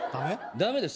ダメです